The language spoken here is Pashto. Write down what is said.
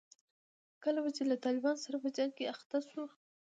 کله به چې له طالبانو سره په جنګ کې اخته شوو.